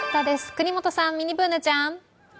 國本さん、ミニＢｏｏｎａちゃん。